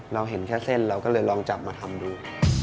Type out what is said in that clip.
เราเห็นแค่เส้นเราก็เลยลองจับมาทำดู